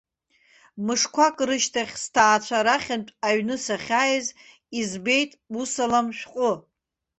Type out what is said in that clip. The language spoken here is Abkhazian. Мышқәак рышьҭахь сҭаацәа рахьынтә аҩны сахьааиз избеит усалам шәҟәы.